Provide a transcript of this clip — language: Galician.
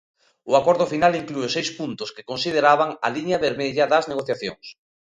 O acordo final inclúe seis puntos que consideraban a liña vermella das negociacións.